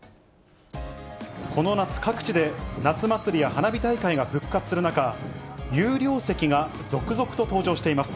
この夏、各地で夏祭りや花火大会が復活する中、有料席が続々と登場しています。